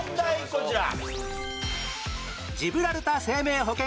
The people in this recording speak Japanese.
こちら。